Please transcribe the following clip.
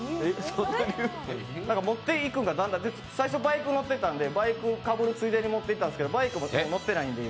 持っていくんがだんだん最初バイク持ってたんで、バイクかぶるついでに持っていってたんですけどバイクも乗ってないんで、今。